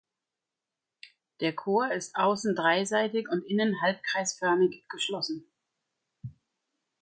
Der Chor ist außen dreiseitig und innen halbkreisförmig geschlossen.